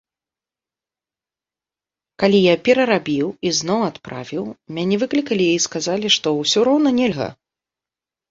Калі я перарабіў і зноў адправіў, мяне выклікалі і сказалі, што ўсё роўна нельга.